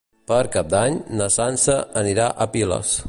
Per Cap d'Any na Sança anirà a Piles.